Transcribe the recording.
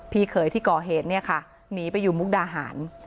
พี่เขยที่ก่อเหตุเนี่ยค่ะหนีไปอยู่มุกดาหาร